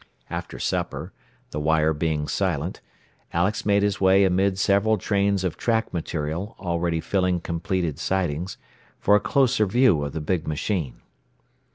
After supper, the wire being silent, Alex made his way amid several trains of track material already filling completed sidings, for a closer view of the big machine.